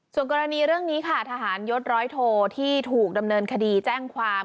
ส่วนกรณีเรื่องนี้ค่ะทหารยศร้อยโทที่ถูกดำเนินคดีแจ้งความ